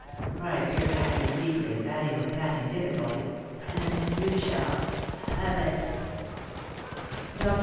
cried Sir Matthew, feebly, adding with panting difficulty, " and — you — shall — have — it." Dr.